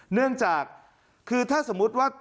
เนื่องจากคือถ้าสมมุติว่า